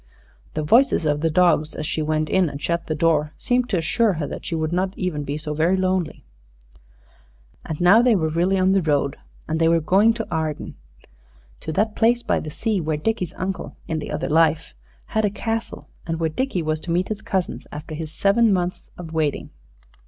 The voices of the dogs, as she went in and shut the door, seemed to assure her that she would not even be so very lonely. And now they were really on the road. And they were going to Arden to that place by the sea where Dickie's uncle, in the other life, had a castle, and where Dickie was to meet his cousins, after his seven months of waiting.